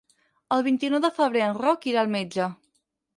El vint-i-nou de febrer en Roc irà al metge.